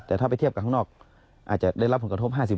แต่ถ้าไปเทียบกับข้างนอกอาจจะได้รับผลกระทบ๕๐